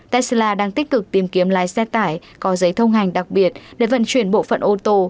tesla đang tích cực tìm kiếm lái xe tải có giấy thông hành đặc biệt để vận chuyển bộ phận ô tô